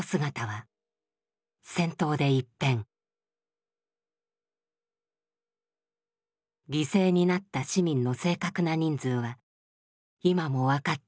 犠牲になった市民の正確な人数は今も分かっていない。